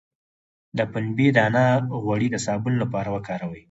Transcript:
د پنبې دانه غوړي د صابون لپاره وکاروئ